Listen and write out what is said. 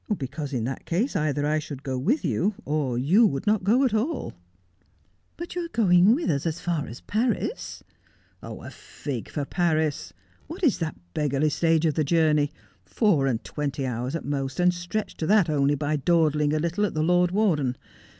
' Because in that case either I should go with you, or you would not go at all.' ' But you are going with us as far as Paris.' ' A fig for Paris. What is that beggarly stage of the journey ? Four and twenty hours at most, and stretched to that only by dawdling a little at the Lord Warden.